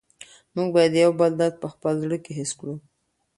موږ باید د یو بل درد په خپل زړه کې حس کړو.